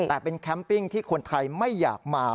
แต่เป็นแคมปิ้งที่คนไทยไม่อยากมา